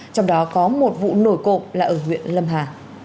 trong đó có một vụ nổi cộng là ở huyện lâm hà